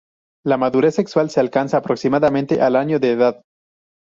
La madurez sexual se alcanza aproximadamente al año de edad.